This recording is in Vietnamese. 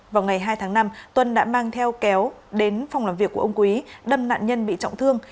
vào ngày hai tháng năm tuân đã mang theo kéo đến phòng làm việc của ông quý đâm nạn nhân bị trọng thương